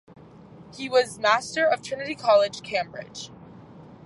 He was Master of Trinity College, Cambridge.